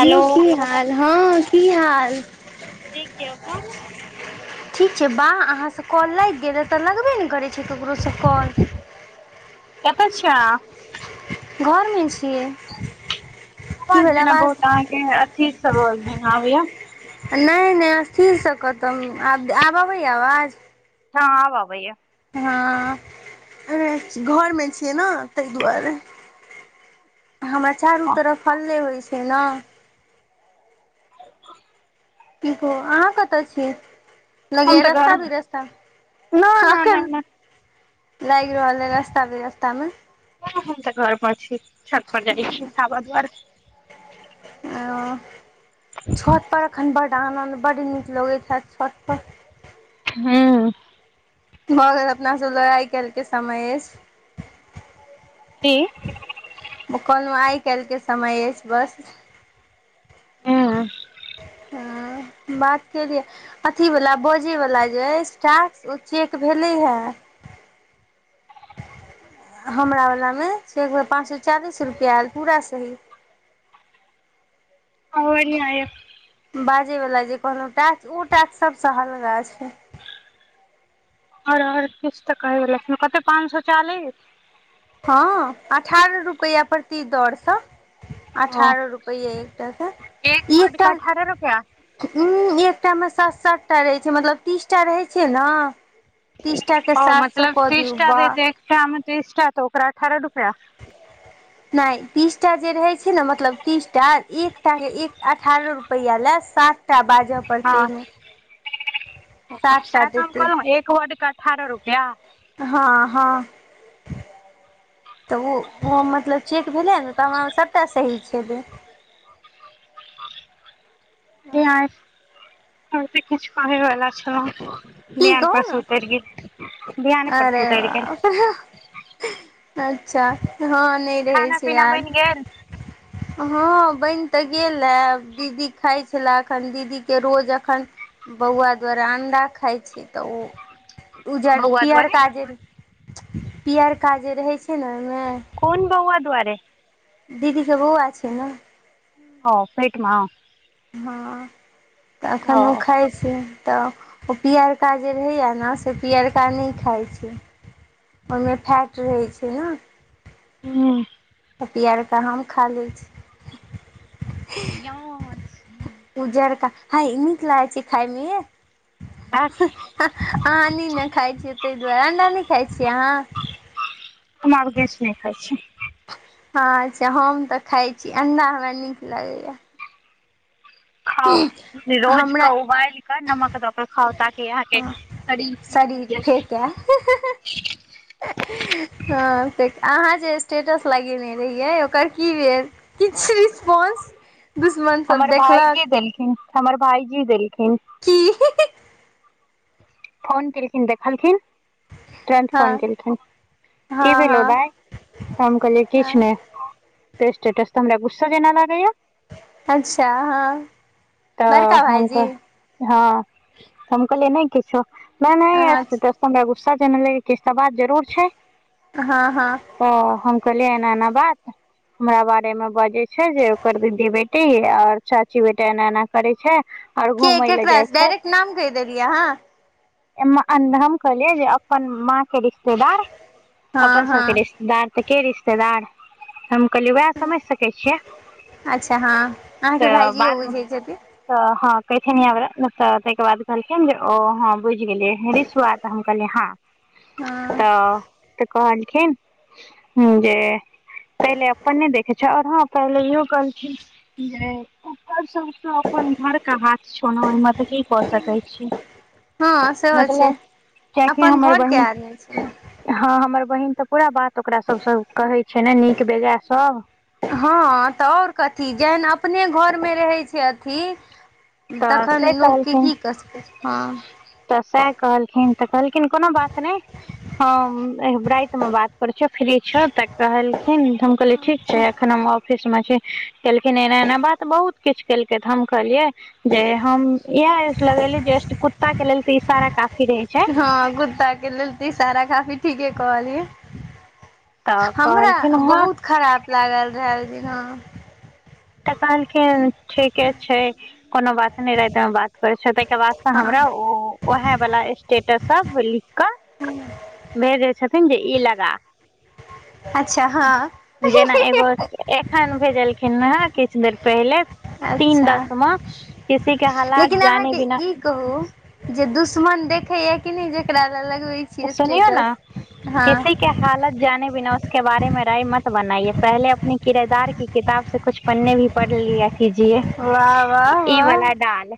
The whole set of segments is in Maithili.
हेलो की हाल हँ की हाल ठीक यै अपन ठीक छै बाह अहाँ से काल लागि गेले ई तऽ लगबे ने करै ककरो से कॉल कतऽ छिय अहाँ घरमे छियै की अवाज भेल जेना आवाज बहुत अहाँके अथी सब जेना आबै यै नहि नहि स्थिरसँ कतम आब अबै यै आवाज ह आब आबैयै हँ घरमे छियै ने तहि दुआरे हमरा चारू तरफ हल्ले होइ छै ने की कहु अहाँ कतऽ छियै हम लगेयै तऽ रस्ता घरमे भी रस्ता न खा न न कन न लाग रहल यै रास्ता विरस्ता मे ह हम तऽ घर पर छी छत पर जाइ छी हाबा दुआर आ छत पर एखन बड आनन्द बड नीक लगैत हैत छत पर हँ भऽ गेल अपनासब लड़ाइ कल तक के समय अछि कि कहलौन आइ काल्हके समय अछि बस हँ बात केलियए अथी वला बजयवला जे टास्क ओ चेक भेलै हे [inaudible] हमरा वला मे पाँच सए चालीस रुपआ आयल पूरा सही आ ओ बढिया यै बाजे वाला जे कहलहु टास्क ओ टास्क सबसँ हलका छै आओर आर किछ तऽ कहे वला छलौं कते पांच सए चालिस हँ अठारह रुपैया प्रति दरसँ ओ अठारह रुपैये एकटा कऽ एक वर्ड एकटा के अठारह रुपआ ह एकटा मे सात सातटा रहै छै मतलब तीस टा रहै छै ने तीसटाक ओ सात सौ से मतलब कऽ तीस दिऔ टा बा देत एकटा मे तीस टा तऽ ओकरा अठारह रुपआ नहि तीसटा जे रहै छै ने मतलब तीसटा एकटा के एक अठारह रुपैया लए सातटा बाजऽ पड़तै सात टा सैह तऽ हम देतै कहलहु एक वर्ड का अठारह रुपया हँ हँ तऽ ओ ओ मतलब चेक भेलै ने तऽ हमर सभटा सही छलै [unintelligible] आओर भी किछु कहैवला छलौं की ध्यान पर कहू से ने उतरि गेल ध्यान पर से परसे अरे उतरि गेल बाप रे अच्छा हँ नहि रहै खाना छै पीना याद बनि गेल हँ बनि तऽ गेल हे दीदी खाय छी छलै अखन दीदी के रोज अखन बौआ द्वारा अंडा खाय तऽ ओ उजर बौआ दुआरे पीयरका जे पीयरका जे रहै छै ने ओहिमे कोन बौआ दुआरे दीदी के बौआ छै ने ओ पेट मे हँ तऽ अखन ओ खाय छै तऽ ओ पियरका जे रहैए ने से पियरका नहि खाइत छै ओहिमे फैट रहै छै ने हूँ तऽ पियरका हम खा लै छी हय यहाँ छी उजड़का हय नीक लागै छै खाइमे यै हँ अहाँ नीने खाइ छियै ताहि दुआरे अंडा नहि खाय छियै अहाँ हमरि आर किछ नहि खाइ छीयै हँ अच्छा हम तऽ खाइ छी अंडा हमरा नीक लगैया खाउ रोज हमरा कऽ उबालि कऽ नमक दऽ कऽ खाउ ताकि अहाँके शरीर फीट हो शरीर फेकए जैत [inaudible] हँ आहाँ जे स्टेटस लगेने रहियै ओकर की भेल किछ रिस्पान्स हमर भायजी देलखिन हमर भाइजी देलखिन की ही ही फोन केलखिन देखलखिन तुरन्त हँ फोन केलखिन की हँ भेलौ हँ दाय तऽ हम कहलियै किछु हँ नहि तऽ स्टेटस तऽ हमरा गुस्सा जेना लागैये अच्छा हँ तऽ बड़का हम भाईजी कहलियै नहि किछो नहि नहि स्टेटस अच्छा हमरा गुस्सा जेना लगैए किछ तऽ बात जरूर छै हँ हँ तऽ हम कहलियै एना एना बात हमरा बारे मे बजै छै जे ओकर दीदी बेटी आओर चाची बेटा एना एना करै छै और के घूमय ले केकरा जाइ डायरेक्ट नाम कहि देलियै अहाँ हमर हम कहलियै जे अपन माँ के रिश्तेदार हँ अपन सबके हँ रिश्तेदार तऽ के रिश्तेदार हम कहलियै उएह समझि सकै छियै अच्छा हँ अहाँके तऽ भाइजियो बाद मे बुझैत छथिन तऽ हँ कहथिनियां वाला तऽ ताहिके बाद कहलखिन जे ओ हँ बुझि गेलियै रिशुआ तऽ हम कहलियै हँ [inaudible] हँ ओ तऽ कहलखिन हम् जे पहिले अपन नहि देखै छै आओर हँ पहिले इहो कहलखिन जे ओकर सभकेँ अपन घर के हाथ छौ नऽ ओहिमे तऽ की कऽ सकैत छीही हँ सेहो छै मतलब कियेकि अपन हमर घरके बहन आदमी छै हँ हमर बहिन तऽ पूरा बात ओकरा सब सँ कहै छै ने नीक बेजाय सब हँ तऽ आओर कथी जेहन अपने घरमे रहैत छै अथी तऽ तखन से लोकके कहलखिन की कऽ सकैत छी हँ तऽ सएह कहलखिन तऽ कहलखिन कोनो बात नहि हम राति मे बात करै छियो फ्री छहो तऽ कहलखिन तऽ हम कह ठीक अच्छा छै एखन हम ऑफिस मे छी केलखिन एना एना बात बहुत किछ केलकै तऽ हम कहलियै जे हम इहे स्टेटस लगेेलियै जे कुत्ता के लेल तऽ इशारा काफी रहै छै हँ कुत्ता के लेल तऽ इशारा काफी ठीके कहलियै तऽ हमरा कहलखिन हँ बहुत खराप लागल रहै ओहि दिन हँ तऽ कहलखिन ठीके छै कोनो बात नहि राति मे बात करै छियो तैके बाद से हमरा हँ ओ वएहे वाला स्टेटस सब लिख कऽ भेजै छथिन जे ई लगा अच्छा हँ जेना एगो एखन भेजलखिन हें किछु देर पहिले तीन अच्छा दस मऽ किसी का हालात लेकिन जाने अहाँके बिना ई कहू जे दुश्मन देखे या कि नहि जेकरा लै लगबे सुनियौ न किसी के हालत जाने बिना उसके बारे मे राय मत बनाइए पहिले अपने किरदार कि किताब से कुछ पन्ने भी पढ़ लिया कीजिये वाह वाह ई वाह वाला डाल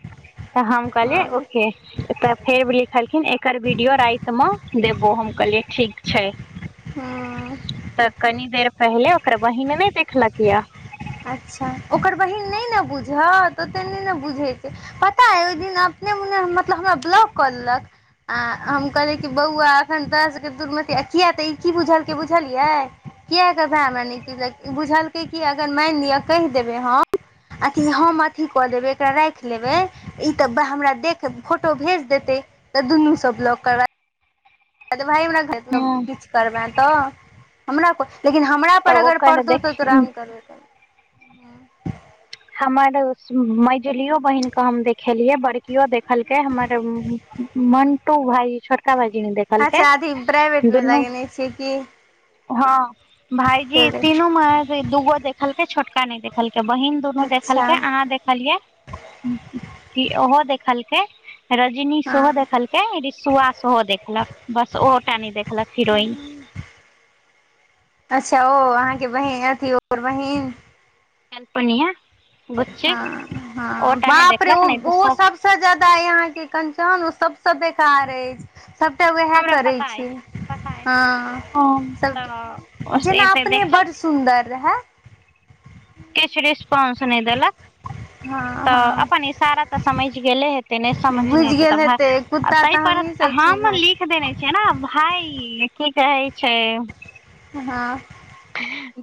तऽ हम कहलिये ओके तऽ फेर लिखलखिन एकर वीडियो रा तऽ म देबो हम कहलियै ठीक छै हँ तऽ कनी देर पहिले ओकर बहिन नै देखलक यए अच्छा ओकर बहिन नइ ने बुझत ओतेक नहि ने बुझैत छै पता है ओइ दिन अपने मने मतलब हमरा ब्लॉक कऽ देलक आ हम कहलियै कि बौआ एखन तोरासके दुूर्म किया तऽ ई की बुझलकै बुझलियै कियकऽ भाय हमरा न क बुझलकै कि अगर मानि लिअ कहि देबै हम अथी हम अथी कऽ देबै एकरा राखि लेबै ई तऽ हमरा देख फोटो भेज देतै तऽ दूनूं स ब्लॉक करा भाय हमरा किछु करबे तऽ हमरा लेकिन हमरा तऽ अगर ओकर पड़तौ तऽ देख तोरा हम करबै करब हमर मैझिलियो बहिन क हम देखेलियै बड़कियो देखलकै हमर मन्टू भायजी छोटका भाइजि न देख अच्छा अथी प्राइवेट मे लगेने छियै की हँ भाईजी तीनू मे दूगो देखलकै छोटका नहि देखलकै बहिन त अच्छा देखलकै अहाँ देखलियै की ओहो देखलकै रजनी सेहो हँ देखलक रिसुआ सेहो देखलक बस ओहोटा नहि देखलक हिरोइन अच्छा ओ अहाँके बहन अथी ओर बहिन अनपनिय हँ हँ नहि बापरे ओ देखलक नहि तऽ ओ सब सबस ज्यादा अय आहााँ के कंचन सबस बेकार अछि सभटा उएह हमरा करै पता छी अछि पता हँ अछि हम सब तऽ जेना एते अपने देखलक बड सुन्दर रहै किछ रिस्पॉन्स नहि देलक हँ तऽ हँ अपन इशारा तऽ समझ गेले हेतै नहि समझ नहि बुझि हेतै गेल तऽ भाय आ कुत्ता तऽ ताहि पर हमहीसभ छी हम भऽ लिख देने छियै ने भाई की कहै छै हँ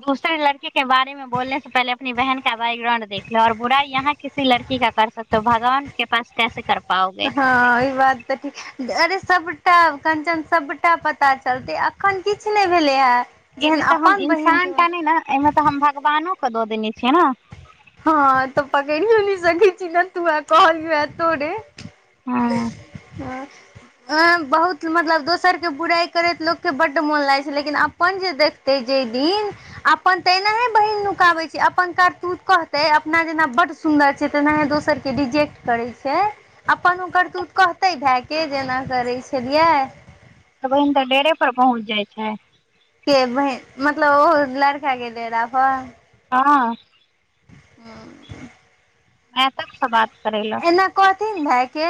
दूसरे लड़की के बारे मे बोलने से पहिले अपनी बहन का बैकग्राउंड देख लो बुराई यहाँ किसी लड़की का कर सकतौ भगवान के पास कैस कर पाओगे हँ ई बात तऽ ठीक अरे सभटा कंचन सभटा पता चलते अखन किछ नै भेलै हे जेहन इमे तऽ हम अपन बहिन के इंसान क नहि ने एहिमे तऽ हम भगवानो के दऽ देने छियै ने हँ तऽ पकड़िओ नहि सकै छी नतूआ कहलउए तोरे हँ हँ अ बहुत मतलब दोसर के बुराइ करैत लोक के बड मोन लागैत छै लेकिन अपन जे देख तैय जे दिन अपन ऐनाहे बहिन नुकाबै छै अपन करतूत कह तऽ अपना जेना बड्ड सुन्दर छै तेनाहे दोसर के रिजेक्ट करै छै अपन ओ करतूत कहतै भएके जेना करैत छलियै तऽ बहिन तऽ डेरे पर पहुँच जाइत छै के बहिन मतलब ओहो लड़का के डेरा पर हँ हँ मैं तबसँ बात करैल ऐना कहथिन भाईके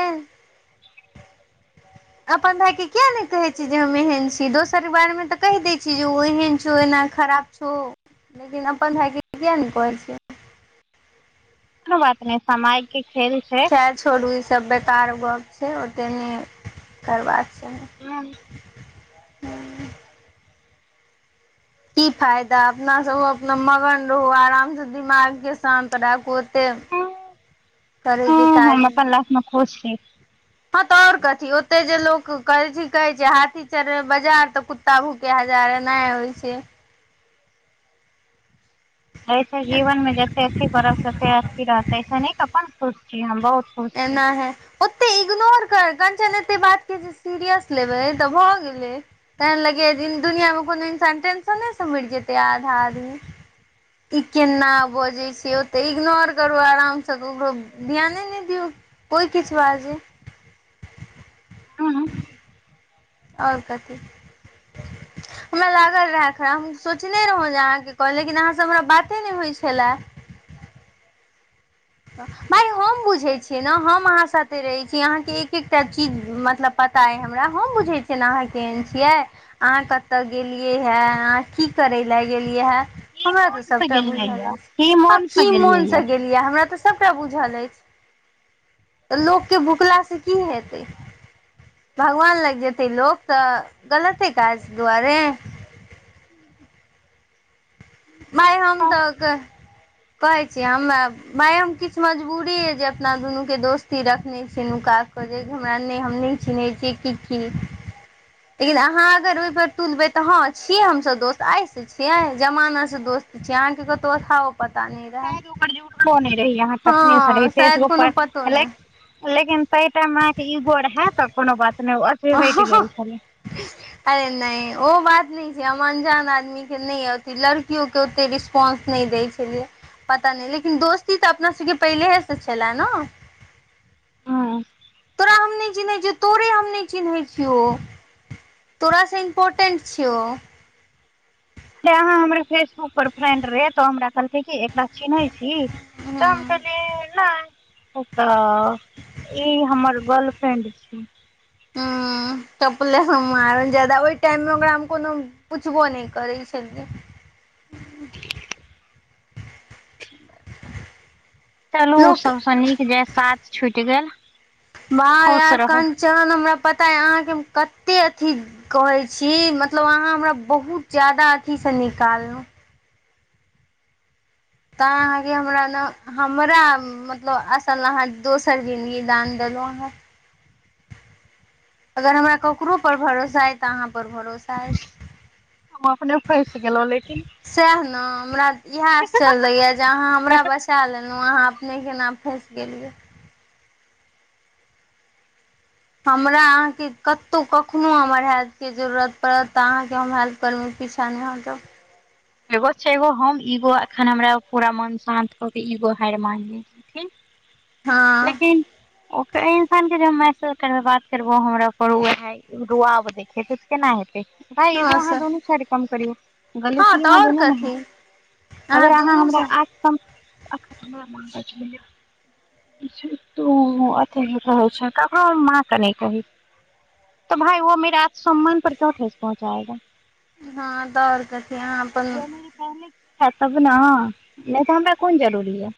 अपन भाई के किया ने कहे छी जे हम एहेन छी दोसर बार मे तऽ कहि देय छी जे ओ एहन छौ एना खराब छो लेकिन अपन भाय के किया नै कहै छियै कोनो बात नै समय के खेल छै तै छोरु ई सब बेकार गप छै ओते नहि करबा छै हँ की फायदा अपना से अपना मगन रहू आराम से दिमाग के शान्त राखू ओते करे के हँ हँ काज अपन लाइफ मे खुश छी हँ तऽ ओर कथी ओते जे लोक कहाइ कहै छै हाथी चले बाजार तऽ कुत्ता कुत्ता भूके हजारे नहि होइ छै एहिसे जीवन मे जते अथी करब तते अथी रहतै स न अपन खुश छी हम बहुत खुश छी एनाहे ओते इग्नोर कर कंचन एते बात के जे सीरियस लेबै तऽ भऽ गेलै तहन लगैया जे दुनिया मे कोनो इन्सान टेंसनो से मइर जते आधा आदमी ई केना बजे छै ओते इग्नोर करु आराम से ककरो ध्यान ने हुह कोइ किछु बजैए हूँ [inaudible] ओर कथी [inaudible] हमरा लागल रहा खराब हम सोचने रहौ जे अहाँ के कह लेकिन अहाँ से हमरा बाते नहि होइत छले भाइ हम बुझै छियै ने हम अहाँ साथे रहैत छी अहाँ के एक एकटा चीज मतलब पता अइ हमरा हम बुझै छियै ने अहाँ केहन छियै अहाँ कतय गेलियै हे अहाँ की करय लए गेलियै हे की हमरा तऽ मोन से सबटा गेलियै ये बुझल की आ मोन से की गेलियै मोन ये से गेलियै हमरा तऽ से सबटा बुझल अछि लोक के भुखला से की हेतै भगवान लाग जेते लोक तऽ गलते काज दुआरे माय हम तऽ कहै छी हमरा माय हम किछ मजबूरी ये अपना दुनू के दोस्ती रखने छी नुका कऽ जे हमरा ने हम निक चिनै छी की की लेकिन अहाँ अगर ओइ पर तुलबे त ह छीये हमसब दोस्त आ से छीये जमाना दोस्त छै आंहा के कतो थाहो पता नहि रहै शायद ओकर जुटलो नहि रही अहाँ कखने से रही हँ शायद फेसबुक कोनो पतो पर नहि लाक लेकिन तई टाइम में अहके ईगो रहा त कोनो बात नहि अथी हट गेल छलै अरे नइ ओ बात नहि छै हम अनजान आदमी नहि अथि लड़कियो के ओते रिस्पोंस नहि दै छलियै पता नहि लेकिन दोस्ती तऽ अपना सबके पहिलेहे से छलऽ न हूँ तोरा हम नहि चिन्है छियौ तोरे हम नहि चिन्है छियौ तोरा स इम्पोर्टेंट छियौ अहाँ हमर फेसबुक पर फ्रेंड रहे तो हमरा कहलकै कि एकरा चिन्है छी तऽ हम कह हूँ से नहि उ तऽ ई हमर गर्ल फ्रेंड छी हूँ चपले सँ मारल जादा ओहि टाइम मे ओकरा हम कोनो पुछबो नहि करै छलियै चलू लोक सबस नीक जे साथ छुटि गेल भाय खुश आहाँ रहू कनचन हमरा पता य अहाँके कते अथी कहै छी मतलब अहाँ हमरा बहुत ज्यादा अथिसँ निकाललहुँ तऽ आहा अहाँके हमरा न हमरा मतलब असल अहाँ दोसर जिन्दगी दान देलहुँं अहाँ अगर हमरा ककरो पर भरोसा अछि तऽ अहाँ पर भरोसा अछि हम अपने फँसि गेलहुँ लेकिन सैह ने हमरा इहै आश्चर्य लगै या जे अहाँ हमरा बसा लेलहुँ अहाँ अपने के न फैस गेलियै हमरा अहाँके कतहुँ कखनो हमर हेल्प के जरूरत पड़त तऽ अहाँके हम हेल्प करमे पीछा नहि हटब एगो छै एगो हम इगो एखन हमरा पूरा मन शान्त क के इगो हार मानले लथिन हँ लेकिन ओकरे इंसान के जे मासे बात करबो हमरा रूआब देखेतै त केना हेतै हँ अहाँ सर दुनु हँ तऽ आओर कथी अगर अहाँ दुनू सँ हमरा [unintelligible] तू अथि कहै छै ककरो मां कऽ नहि कही त भाइ वो मेरा आत्मसम्मान पर क्यो ठेस पहुँचाएगा हँ तऽ आओर कथी अहाँ अपन खा तब न नहि तऽ हमरा कोन जरूरी य